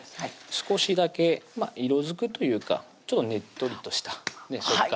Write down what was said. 少しだけ色づくというかちょっとねっとりとした食感